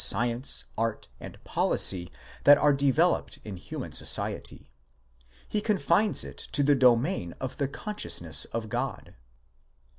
science, art, and policy, that are developed in human society; he confines it to the domain of the consciousness of God.